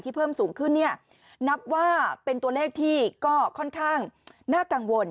เพิ่มสูงขึ้นเนี่ยนับว่าเป็นตัวเลขที่ก็ค่อนข้างน่ากังวล